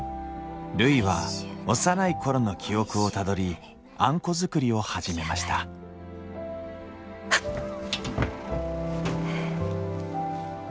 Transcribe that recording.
るいは幼い頃の記憶をたどりあんこ作りを始めましたはっ！